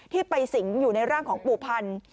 ที่ไปสิงอยู่ในร่างของปู่พันธ์